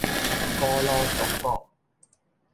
古魯碩古